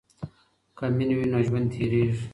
که مینه وي نو ژوند تیریږي.